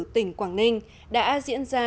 tỉnh quảng ninh đã diễn ra